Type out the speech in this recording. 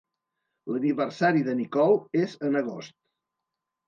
L'aniversari de Nicole és en agost.